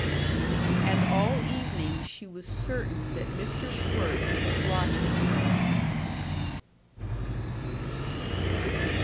And all evening she was certain that Mr. Schwirtz was watching her.